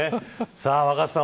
若狭さん